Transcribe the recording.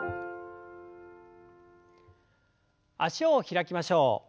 脚を開きましょう。